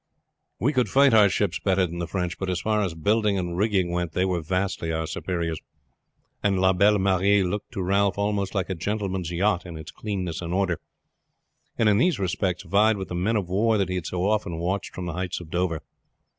We could fight our ships better than the French, but as far as building and rigging went they were vastly our superiors; and La Belle Marie looked to Ralph almost like a gentleman's yacht in its cleanness and order, and in these respects vied with the men of war that he had so often watched from the heights of Dover.